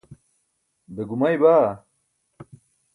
be gumay baa?